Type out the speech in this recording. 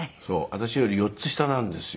私より４つ下なんですよ。